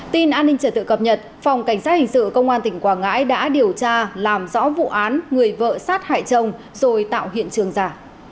tin an ninh trật tự cập nhật phòng cảnh sát hình sự công an tỉnh quảng ngãi đã điều tra làm rõ vụ án người vợ sát hại chồng rồi tạo hiện trường giả